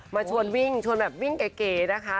มาชวนวิ่งชวนแบบวิ่งเก๋นะคะ